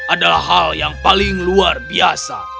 adalah hal yang paling luar biasa